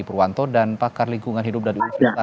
purwanto dan pakar lingkungan hidup dana